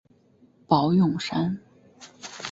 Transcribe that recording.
宝永山。